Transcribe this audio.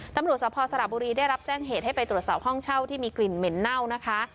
ตำรวจสภสระบุรีได้รับแจ้งเหตุให้ไปตรวจสอบห้องเช่าที่มีกลิ่นเหม็นเน่านะคะ